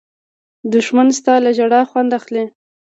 دښمن ستا له ژړا خوند اخلي